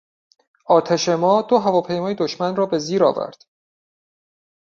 آتش ما دو هواپیمای دشمن را به زیر آورد.